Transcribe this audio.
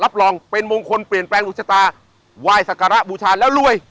รับรองเป็นมงคลเปลี่ยนแปลงหลวงชะตาไหว้สักการะบูชาแล้วรวย